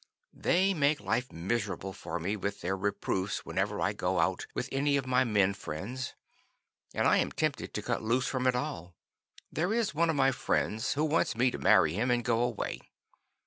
They make life miserable for me with their reproofs whenever I go out with any of my men friends, and I am tempted to cut loose from it all. There is one of my friends who wants me to marry him and go away.